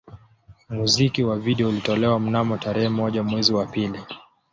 Muziki wa video ulitolewa mnamo tarehe moja mwezi wa pili